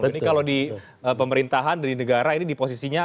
ini kalau di pemerintahan di negara ini di posisinya